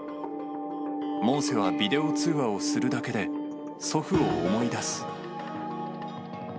モーセはビデオ通話をするだけで、祖父を思い出す。